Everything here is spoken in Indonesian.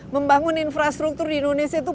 membangun infrastruktur di indonesia itu